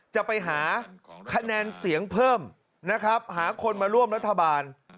จะไปหาคะแนนเสียงเพิ่มนะครับหาคนมาร่วมรัฐบาล